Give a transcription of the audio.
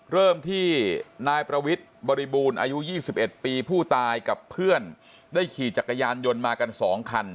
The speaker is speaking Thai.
เริ่มที่นายประวิทย์บริบูรณ์อายุ๒๑ปีผู้ตายกับเพื่อนได้ขี่จักรยานยนต์มากัน๒คัน